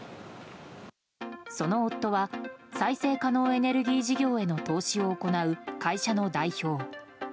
その夫は再生可能エネルギー事業への投資を行う会社の代表。